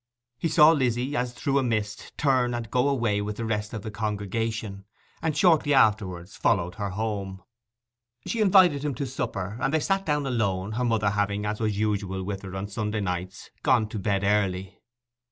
He saw Lizzy, as through a mist, turn and go away with the rest of the congregation; and shortly afterwards followed her home. She invited him to supper, and they sat down alone, her mother having, as was usual with her on Sunday nights, gone to bed early.